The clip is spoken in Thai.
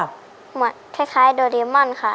คล้ายโดราเอมอนค่ะ